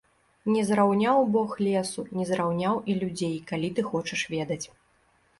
Не зраўняў бог лесу, не зраўняў і людзей, калі ты хочаш ведаць.